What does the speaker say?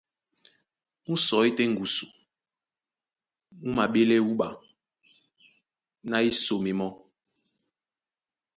Mú sɔí tɛ́ ŋgusu, mú maɓélɛ́ wúɓa ná í sóme mɔ́.